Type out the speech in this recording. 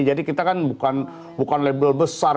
jadi kita kan bukan label besar